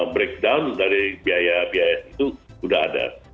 breakdown dari biaya biaya itu sudah ada